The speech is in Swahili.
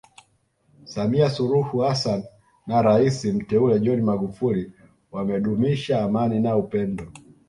Samia Suluhu Hassan na rais Mteule John Magufuli wamedumisha amani na upendo